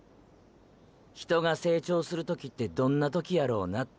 人が成長する時ってどんな時やろうなって。